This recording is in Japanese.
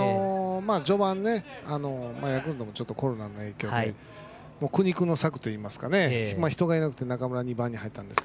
序盤ヤクルトコロナの影響で苦肉の策といいますか、人がいなくて中村は２番に入ってもらいました